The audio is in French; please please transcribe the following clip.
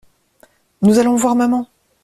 Nous allons voir Maman!